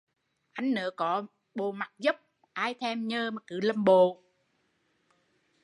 Anh nớ có bộ mặt dốc, ai thèm nhờ mà cứ làm bộ!